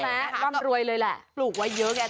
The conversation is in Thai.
นั่นแหละว่างรวยเลยแหละปลูกไว้เยอะแหละ